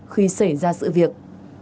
khi xảy ra sự việc